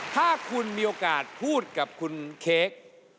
ถ้าคุณมีโอกาสพูดกับคุณเค้ก